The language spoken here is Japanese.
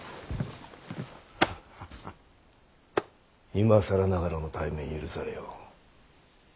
今更ながらの対面許されよ。